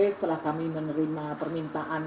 setelah kami menerima permintaan